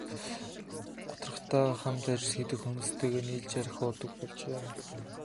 Гутрахдаа хамт ажил хийдэг хүмүүстэйгээ нийлж архи уудаг болжээ.